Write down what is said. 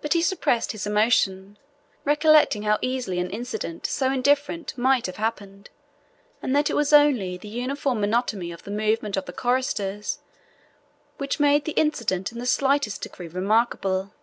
But he suppressed his emotion, recollecting how easily an incident so indifferent might have happened, and that it was only the uniform monotony of the movement of the choristers which made the incident in the slightest degree remarkable.